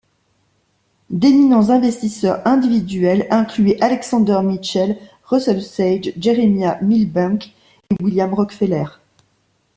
D'éminents investisseurs individuels incluaient Alexander Mitchell, Russell Sage, Jeremiah Milbank et William Rockefeller.